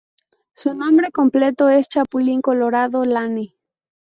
Su nombre completo es Chapulín Colorado Lane.